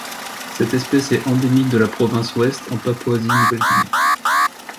Cette espèce est endémique de la province Ouest en Papouasie-Nouvelle-Guinée.